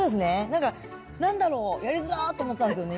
なんか何だろうやりづらっと思ってたんですよね。